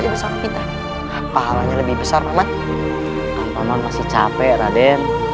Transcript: itu sangat pahalanya lebih besar paman paman masih capek raden